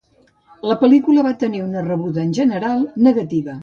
La pel·lícula va tenir una rebuda en general negativa.